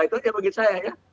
itu aja bagi saya ya